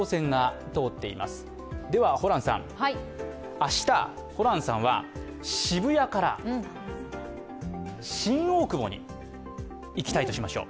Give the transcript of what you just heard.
明日、ホランさんは渋谷から新大久保に行きたいとしましょう。